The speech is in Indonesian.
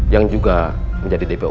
yang juga menjadi dpo